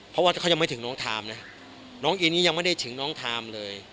เพราะว่าเขายังไม่ถึงน้องทามนะน้องอินยังไม่ได้ถึงน้องทามเลย